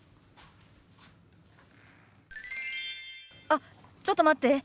あっちょっと待って。